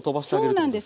そうなんです。